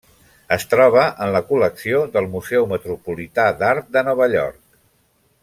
Es troba en la col·lecció del Museu Metropolità d'Art de Nova York.